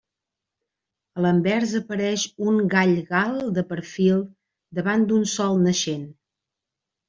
A l'anvers apareix un gall gal de perfil davant d'un sol naixent.